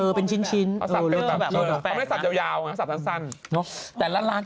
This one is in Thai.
เยอะจริงตัมพ่อเยอะจริง